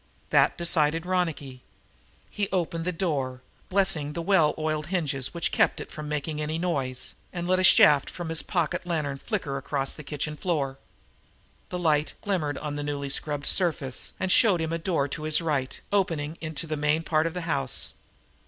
That decided Ronicky. He opened the door, blessing the well oiled hinges which kept it from making any noise, and let a shaft from his pocket lantern flicker across the kitchen floor. The light glimmered on the newly scrubbed surface and showed him a door to his right, opening into the main part of the house.